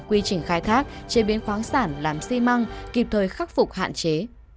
quy trình khai thác chế biến khoáng sản làm xi măng kịp thời khắc phục hạn chế